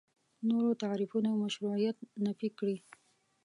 نورو تعریفونو مشروعیت نفي کړي.